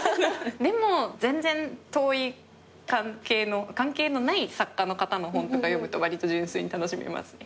でも全然遠い関係のない作家の方の本とか読むとわりと純粋に楽しめますね。